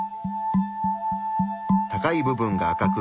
高い部分が赤く